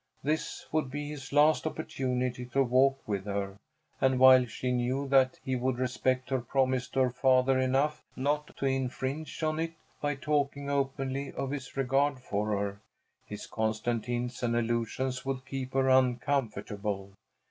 This would be his last opportunity to walk with her, and while she knew that he would respect her promise to her father enough not to infringe on it by talking openly of his regard for her, his constant hints and allusions would keep her uncomfortable.